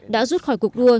đã rút khỏi cuộc đua